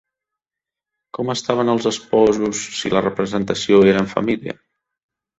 Com estaven els esposos si la representació era en família?